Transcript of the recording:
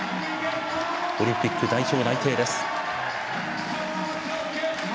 オリンピック代表内定です。